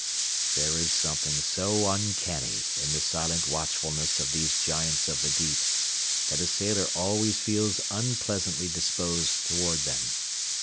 There is something so uncanny in the silent watchfulness of these giants of the deep that a sailor always feels unpleasantly disposed toward them.